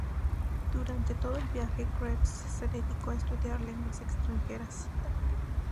Durante todo el viaje Krebs se dedicó a estudiar lenguas extranjeras.